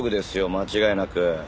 間違いなく。